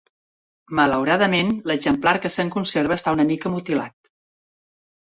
Malauradament, l'exemplar que se'n conserva està una mica mutilat.